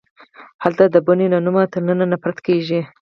هلته د بنې له نومه تر ننه نفرت کیږي